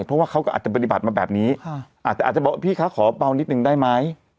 เพราะว่าเขาก็อาจจะปฏิบัติมาแบบนี้อาจจะบอกพี่คะขอเบานิดนึงได้ไหม